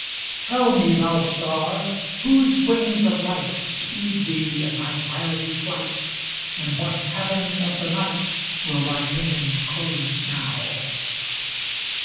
Tell me, thou star, whose wings of light tSpeed thee in thy fiery flight, In what cavern of the night Will thy pinions close now